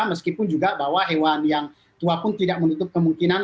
meskipun juga bahwa hewan yang tua pun tidak menutup kemungkinan